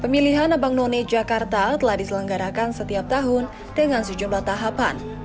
pemilihan abang none jakarta telah diselenggarakan setiap tahun dengan sejumlah tahapan